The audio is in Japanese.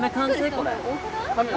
これ。